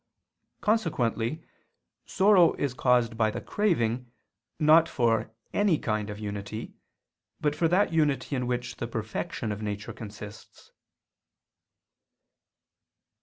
Consequently sorrow is caused by the craving, not for any kind of unity, but for that unity in which the perfection of nature consists.